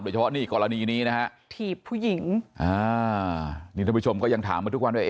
อย่างเฉพาะในกรณีนี้นะฮะถีบผู้หญิงเดี๋ยวท่านผู้ชมก็ยังถามมาทุกวันด้วย